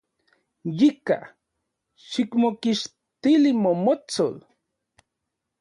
Yika, xikmokixtili motsotsol.